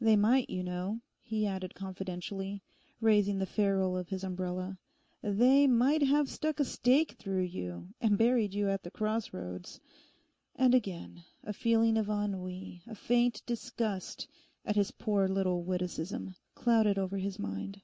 They might, you know,' he added confidentially, raising the ferrule of his umbrella, 'they might have stuck a stake through you, and buried you at the crossroads.' And again, a feeling of ennui, a faint disgust at his poor little witticism, clouded over his mind.